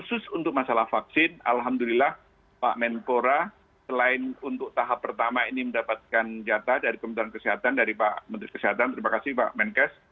khusus untuk masalah vaksin alhamdulillah pak menpora selain untuk tahap pertama ini mendapatkan jatah dari kementerian kesehatan dari pak menteri kesehatan terima kasih pak menkes